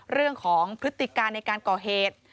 เรื่องของพฤติการในการก่อเหตุ